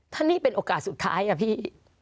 ถ้านี่เป็นโอกาสสุดท้ายอะพี่